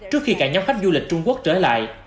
trước khi cả nhóm khách du lịch trung quốc trở lại